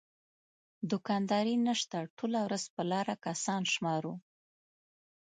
دوکانداري نشته ټوله ورځ په لاره کسان شمارو.